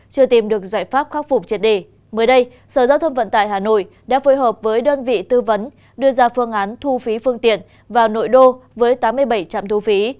xin chào và hẹn gặp lại